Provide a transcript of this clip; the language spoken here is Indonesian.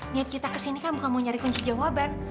niat kita kesini kan bukan mau nyari kunci jawaban